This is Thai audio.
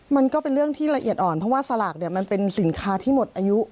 มันก็เป็นเรื่องที่ละเอียดอ่อนเพราะว่าสลากเนี่ยมันเป็นสินค้าที่หมดอายุ